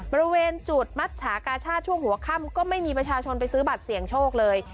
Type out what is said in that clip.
บริเวณจุดมัชชากาชาติช่วงหัวค่ำก็ไม่มีประชาชนไปซื้อบัตรเสี่ยงโชคเลย